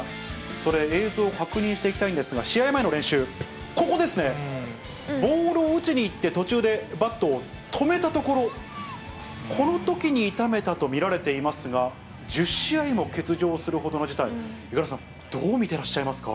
それ、映像を確認していきたいんですが、試合前の練習、ここですね、ボールを打ちにいって、途中でバットを止めたところ、このときに痛めたと見られていますが、１０試合も欠場するほどの事態、五十嵐さん、どう見てらっしゃいますか？